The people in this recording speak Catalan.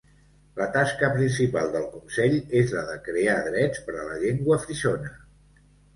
La tasca principal del consell és la de crear drets per la llengua frisona.